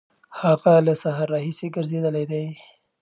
هغه له سهاره راهیسې ګرځېدلی دی.